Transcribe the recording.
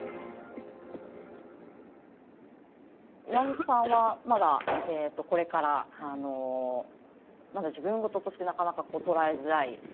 岩本さんはまだこれからまだ自分事としてなかなか捉えづらい。